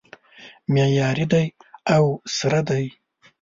معیاري دی او سره دی